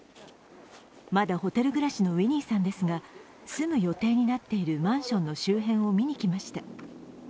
まだホテル暮らしのウィニーさんですが、住む予定になっているマンションの周辺を見に来ました。